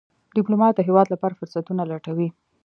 ډيپلومات د هېواد لپاره فرصتونه لټوي.